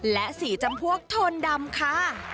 และสีจำพวกโทนดำค่ะ